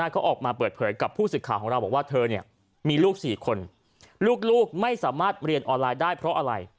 เขาออกมาเปิดเผยกับผู้สื่อข่าวของเราบอกว่าเธอมีลูก๔คนลูกไม่สามารถเรียนออนไลน์ได้เพราะอะไร